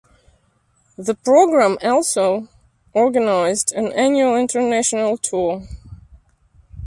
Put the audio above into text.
The program also organised an annual international tour.